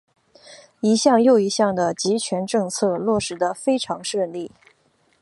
一项又一项的极权政策落实得非常顺利。